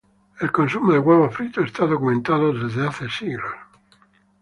El consumo de huevos fritos está documentado desde hace siglos.